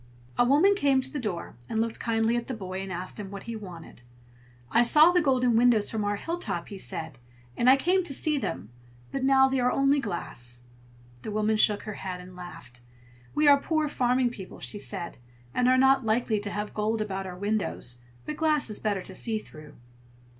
A woman came to the door, and looked kindly at the boy, and asked him what he wanted. "I saw the golden windows from our hilltop," he said, "and I came to see them, but now they are only glass." The woman shook her head and laughed. "We are poor farming people," she said, "and are not likely to have gold about our windows; but glass is better to see through."